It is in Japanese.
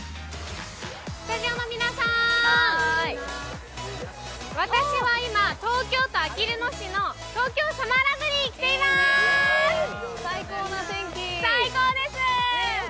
スタジオの皆さん、私は今、東京都あきる野市の東京サマーランドに来ています、最高です！